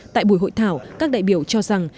tại buổi hội thảo các đại biểu cho rằng